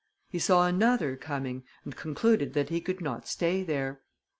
He saw another coming, and concluded that he could not stay there.